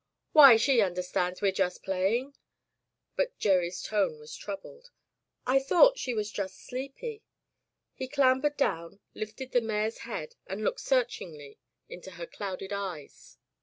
"Why, she understands we're just play ing/' But Gerry's tone was troubled. "I thought she was just sleepy —" He clam bered down, lifted the mare's head, and looked searchingly into her clouded eyes.